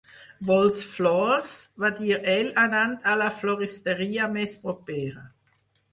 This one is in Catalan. "Vols flors", va dir ell anant a la floristeria més propera.